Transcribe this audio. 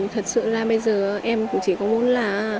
thật sự là bây giờ em cũng chỉ có muốn là